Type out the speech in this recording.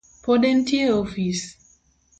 Pod entie e ofis?